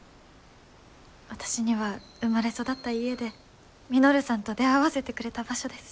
私には生まれ育った家で稔さんと出会わせてくれた場所です。